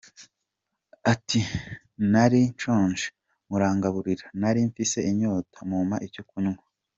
Ati ‘Nari nshonje, murangaburira, nari mfise inyota, mumpa icyo kunywa.